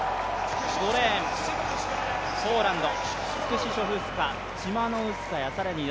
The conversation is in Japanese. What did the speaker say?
５レーン、ポーランド。